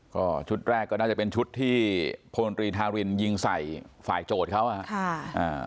ก็ชุดแรกก็น่าจะเป็นชุดที่พลตรีทารินยิงใส่ฝ่ายโจทย์เขาอ่ะค่ะอ่า